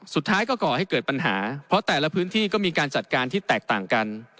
สุดท้ายก็ก่อให้เกิดปัญหาเพราะแต่ละพื้นที่ก็มีการจัดการที่แตกต่างกัน